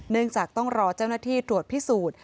จากต้องรอเจ้าหน้าที่ตรวจพิสูจน์